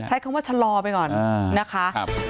ใช้คำว่าชะลอไปก่อนนะคะ